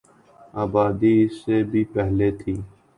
آبادی اس سے بھی پہلے تھی